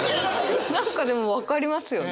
何かでも分かりますよね。